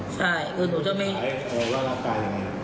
ใช่คือหนูจะไม่อ่าก็ลองเจอ